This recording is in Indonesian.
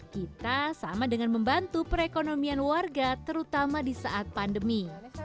kita sama dengan membantu perekonomian warga terutama di saat pandemi